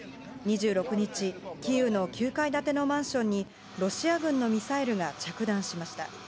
２６日、キーウの９階建てのマンションに、ロシア軍のミサイルが着弾しました。